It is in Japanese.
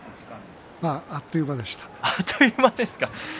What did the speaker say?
あっという間でした。